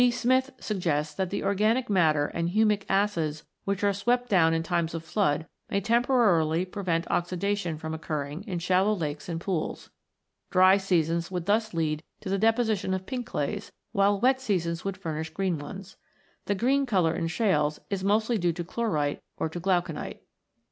Smith (43) suggests that the organic matter and humic acids which are swept down in times of flood may temporarily prevent oxidation from occurring in shallow lakes and pools. Dry seasons would thus lead to the deposition of pink clays, while wet seasons would furnish green ones. The green colour in shales is mostly due to chlorite or to glauconite.